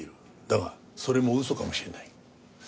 だがそれも嘘かもしれない。